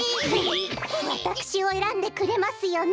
わたくしをえらんでくれますよね？